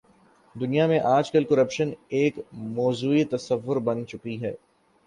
دنیا میں آج کل کرپشن ایک موضوعی تصور بن چکی ہے۔